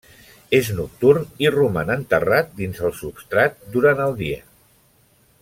És nocturn i roman enterrat dins el substrat durant el dia.